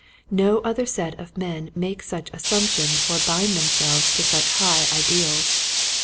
No other set of men make such assumptions or bind themselves to such high ideals.